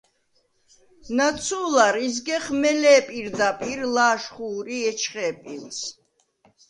ნაცუ̄ლარ იზგეხ მელე̄ პირდაპირ, ლა̄შხუ̄რი ეჩხე̄ პილს.